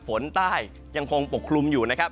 ฝนใต้ยังคงปกคลุมอยู่นะครับ